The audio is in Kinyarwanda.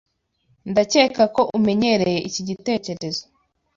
Ndakeka ko umenyereye iki gitekerezo.